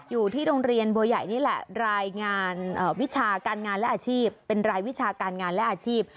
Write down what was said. อยู่ที่โรงเรียนบัวใหญ่นี่แหละรายวิชาการงานและอาชีพ